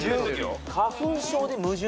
花粉症で矛盾？